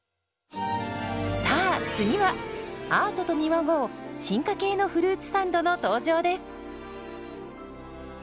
さあ次はアートと見まごう進化系のフルーツサンドの登場です。